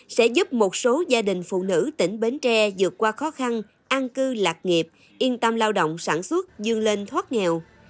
sẽ giúp một số gia đình phụ nữ tỉnh bến tre dược qua khó khăn an cư lạc nghiệp yên tâm lao động sản xuất dương lên thoát nghèo